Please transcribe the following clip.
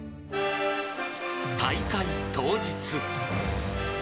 大会当日。